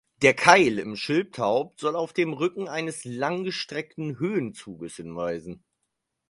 Der Keil im Schildhaupt soll auf dem Rücken eines lang gestreckten Höhenzuges hinweisen.